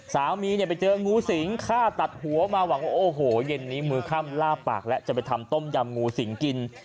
สามีเนี่ยไปเจองูสิงฆ่าตัดหัวมาหวังว่าโอ้โหเย็นนี้มือค่ำล่าปากแล้วจะไปทำต้มยำงูสิงกิน